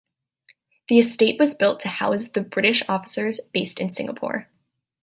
The estate was built to house the British officers based in Singapore.